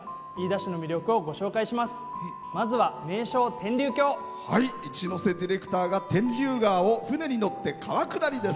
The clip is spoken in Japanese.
市瀬ディレクターが天竜川を船に乗って川下りです。